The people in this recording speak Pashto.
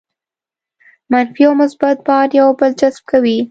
منفي او مثبت بار یو بل جذب کوي.